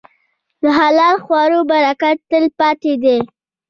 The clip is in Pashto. د حلال خوړو برکت تل پاتې دی.